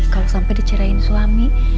kalau sampai dicerain suami